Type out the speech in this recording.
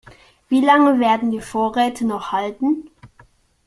Wie lange werden die Vorräte noch halten?